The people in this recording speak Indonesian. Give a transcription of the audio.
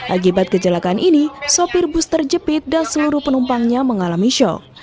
akibat kecelakaan ini sopir bus terjepit dan seluruh penumpangnya mengalami shock